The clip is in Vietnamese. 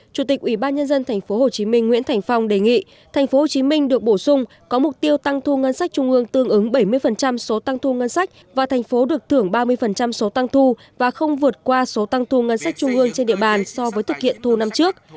chủ tịch ủy ban nhân dân tp hcm nguyễn thành phong đề nghị tp hcm được bổ sung có mục tiêu tăng thu ngân sách trung ương tương ứng bảy mươi số tăng thu ngân sách và thành phố được thưởng ba mươi số tăng thu và không vượt qua số tăng thu ngân sách trung ương trên địa bàn so với thực hiện thu năm trước